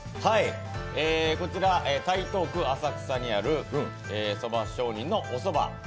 こちら台東区浅草にある蕎上人のおそば。